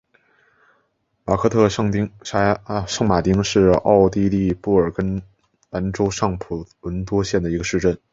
马克特圣马丁是奥地利布尔根兰州上普伦多夫县的一个市镇。